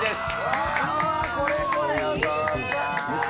わー、これこれ、お父さん。